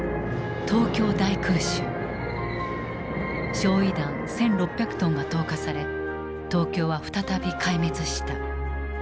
焼夷弾１，６００トンが投下され東京は再び壊滅した。